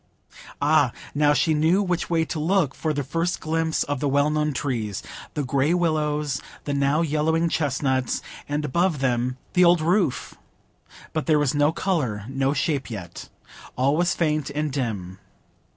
Ah, now she knew which way to look for the first glimpse of the well known trees—the gray willows, the now yellowing chestnuts—and above them the old roof! But there was no colour, no shape yet; all was faint and dim.